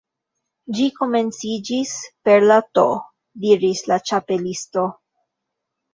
"Ĝi komenciĝis per la T" diris la Ĉapelisto.